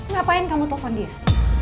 ngapain kamu telepon dia